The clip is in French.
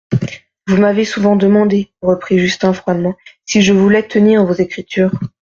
Vous m'avez souvent demandé, reprit Justin froidement, si je voulais tenir vos écritures.